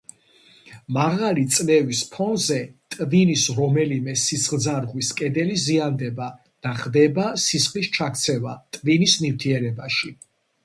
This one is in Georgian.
მაღალი წნევის ფონზე ტვინის რომელიმე სისხლძარღვის კედელი ზიანდება და ხდება სისხლის ჩაქცევა ტვინის ნივთიერებაში.